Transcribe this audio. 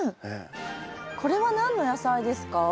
これは何の野菜ですか？